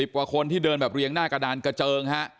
กว่าคนที่เดินแบบเรียงหน้ากระดานกระเจิงฮะ